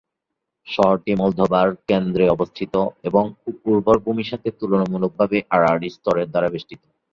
শহরটি মলদোভার কেন্দ্রে অবস্থিত এবং খুব উর্বর ভূমির সাথে তুলনামূলকভাবে আড়াআড়ি স্তরের দ্বারা বেষ্টিত।